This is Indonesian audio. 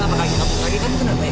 kenapa kaget kaget lagi kan kenapa ya